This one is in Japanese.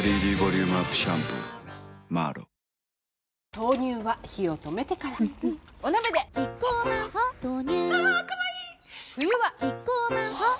豆乳は火を止めてからうんうんお鍋でキッコーマン「ホッ」豆乳あかわいい冬はキッコーマン「ホッ」